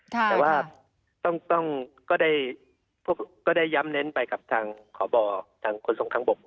แต่ว่าก็ได้ย้ำเน้นไปกับทางพบทางขนส่งทางบก